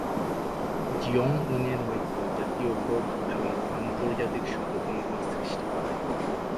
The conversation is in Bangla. জিওং-ইনের মৃত্যু জাতীয় ক্ষোভ এবং আন্তর্জাতিক সচেতনতার সৃষ্টি করে।